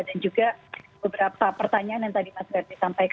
dan juga beberapa pertanyaan yang tadi mas ferdi sampaikan